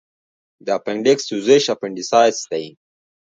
د اپنډکس سوزش اپنډیسایټس دی.